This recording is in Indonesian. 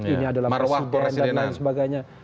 ini adalah presiden dan lain sebagainya